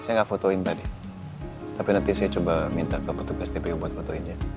saya nggak fotoin tadi tapi nanti saya coba minta ke petugas tpu buat fotoinnya